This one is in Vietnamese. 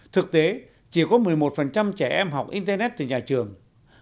thực tế chỉ có một mươi một trẻ em học internet từ nhà trường